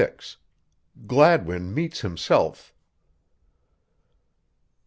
GLADWIN MEETS HIMSELF.